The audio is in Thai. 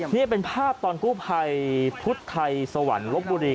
นี่เป็นภาพตอนกู้ภัยพุทธไทยสวรรค์ลบบุรี